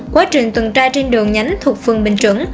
quá trình tường tra trên đường nhánh thuộc phường bình chuẩn